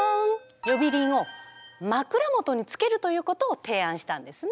呼び鈴をまくら元につけるということを提案したんですね。